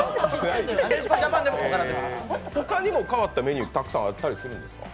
他にも変わったメニュー、たくさんあったりするんですか？